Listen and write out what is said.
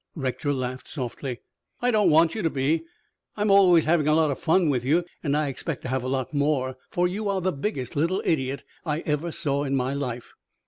Rector laughed softly. "I don't want you to be. I'm always having a lot of fun with you and I expect to have a lot more, for you are the biggest little idiot I ever saw in my life."